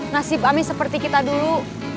nasib ami seperti kita dulu